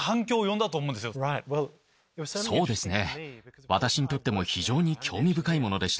そうですね。